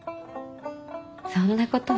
そんなことは。